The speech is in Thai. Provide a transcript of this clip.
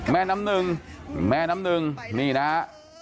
แม่น้ำหนึ่งแม่น้ำหนึ่งนี่นะฮะ